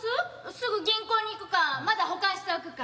すぐ銀行に行くかまだ保管しておくか。